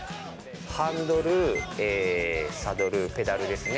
ハンドルサドルペダルですね。